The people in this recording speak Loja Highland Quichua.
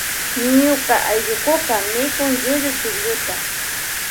Ñuka allukuka mikun llullu chuklluta.